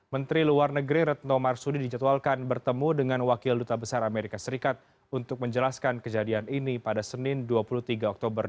menteri luar negeri retno marsudi dijadwalkan bertemu dengan wakil duta besar amerika serikat untuk menjelaskan kejadian ini pada senin dua puluh tiga oktober